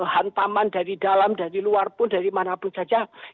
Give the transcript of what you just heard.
hantaman dari dalam dari luar pun dari mana pun saja